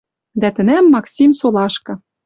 Дӓ тӹнӓм Максим солашкы